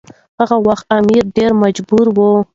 هغه وخت امیر ډیر مجبور و.